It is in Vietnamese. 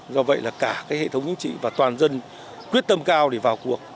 do vậy là cả cái hệ thống chính trị và toàn dân quyết tâm cao để vào cuộc